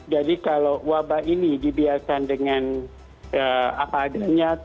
jadi kalau wabah ini dibiasakan dengan apa adanya